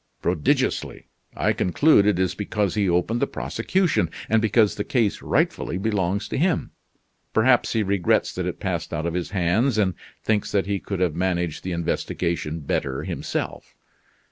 "Prodigiously! I conclude it is because he opened the prosecution, and because the case rightfully belongs to him. Perhaps he regrets that it passed out of his hands, and thinks that he could have managed the investigation better himself.